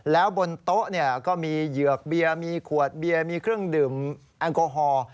แล้วบนโต๊ะก็มีเหยือกเบียร์มีขวดเบียร์มีเครื่องดื่มแอลกอฮอล์